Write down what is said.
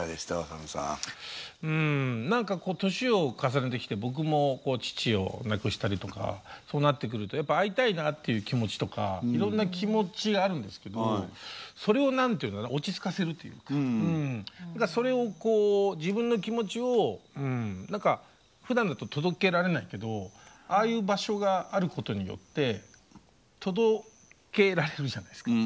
うん何かこう年を重ねてきて僕も父を亡くしたりとかそうなってくるとやっぱ会いたいなっていう気持ちとかいろんな気持ちあるんですけどそれを何て言うんだろう落ち着かせるというかそれをこう自分の気持ちを何かふだんだと届けられないけどああいう場所があることによって届けられるじゃないですか。